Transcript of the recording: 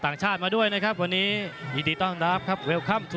ซ้ายโตจ่ะกว่าเข้าเต็มหน้าเลยครับ